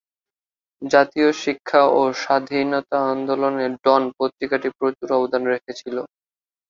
জাতীয় শিক্ষা ও স্বাধীনতা আন্দোলনে ডন পত্রিকাটি প্রচুর অবদান রেখেছিল।